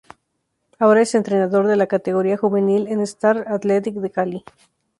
Ahora Es entrenador de la categoría juvenil en Star Athletic de cali.